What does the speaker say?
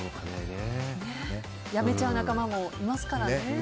やめちゃう仲間もいますからね。